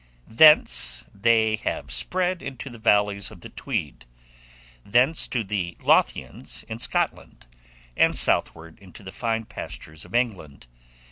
Thence they have spread into the valleys of the Tweed; thence to the Lothians, in Scotland; and southward, into the fine pastures of England.